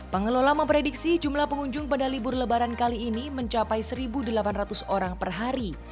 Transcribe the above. pengelola memprediksi jumlah pengunjung pada libur lebaran kali ini mencapai satu